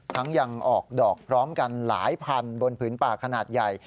ทั้งยังออกดอกพร้อมกันหลายพันบนผืนป่าขนาดใหญ่